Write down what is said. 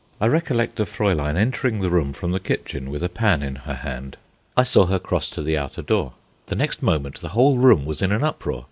I recollect a Fraulein entering the room from the kitchen with a pan in her hand. I saw her cross to the outer door. The next moment the whole room was in an uproar.